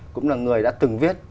cũng là người đã từng viết